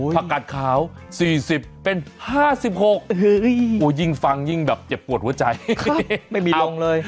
ผักกัดขาว๔๐เป็น๕๖ยิ่งฟังยิ่งแบบเจ็บปวดหัวใจไม่มีลงเลย